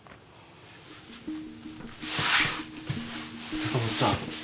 坂本さん。